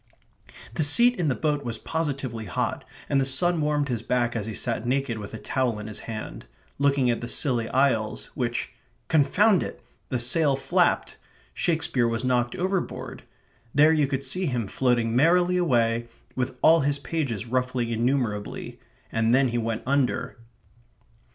The seat in the boat was positively hot, and the sun warmed his back as he sat naked with a towel in his hand, looking at the Scilly Isles which confound it! the sail flapped. Shakespeare was knocked overboard. There you could see him floating merrily away, with all his pages ruffling innumerably; and then he went under.